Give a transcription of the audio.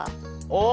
あ！